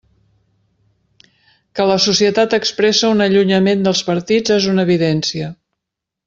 Que la societat expressa un allunyament dels partits és una evidència.